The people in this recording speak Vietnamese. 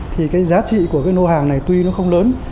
thì cái giá trị của cái lô hàng này tuy nó không lớn